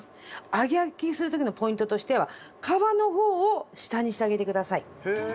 揚げ焼きする時のポイントとしては皮の方を下にしてあげてください。